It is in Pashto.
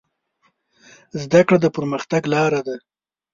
زده کړه د پرمختګ لاره ده.